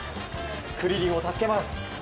クリリンを助けます。